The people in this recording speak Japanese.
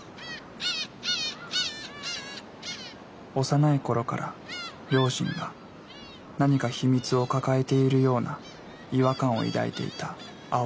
幼い頃から両親が何か秘密を抱えているような違和感を抱いていたアオイさん。